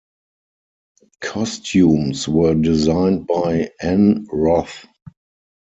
Costumes were designed by Ann Roth.